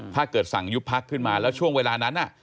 ถ้าเกิดสั่งยุบพักขึ้นมาแล้วช่วงเวลานั้น